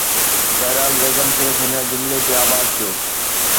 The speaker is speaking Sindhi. بهرحال، ريگن صرف هن جملي تي آباد ٿيو